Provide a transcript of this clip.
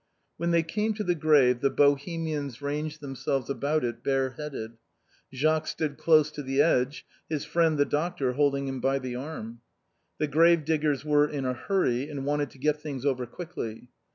When they came to the grave the Bohemians ranged themselves about it bareheaded, Jacques stood close to the edge, his friend the doctor holding him by the arm. The grave diggers were in a hurry and wanted to get things over quickly.